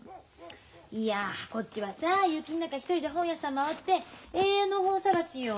いやこっちはさあ雪ん中一人で本屋さん回って栄養の本探しよ。